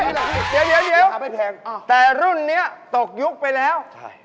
เดี๋ยวแต่รุ่นนี้ตกยุคไปแล้ว